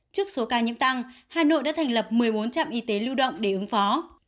trước số ca nhiễm tăng hà nội đã thành lập một mươi bốn trạm y tế lưu động để ứng phó